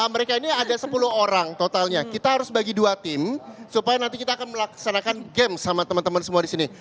mereka ini ada sepuluh orang totalnya kita harus bagi dua tim supaya nanti kita akan melaksanakan game sama teman teman semua di sini